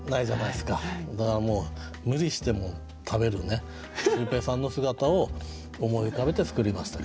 だからもう無理しても食べるシュウペイさんの姿を思い浮かべて作りました。